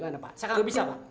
tidak bisa pak